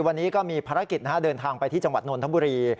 วันนี้ก็มีภารกิจเดินทางไปที่จังหวัดนนทบุรี